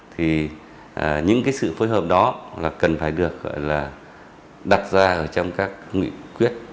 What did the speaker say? thì những cái sự phối hợp đó là cần phải được gọi là đặt ra ở trong các nguyện quyết